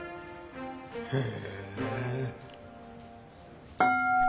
へえ。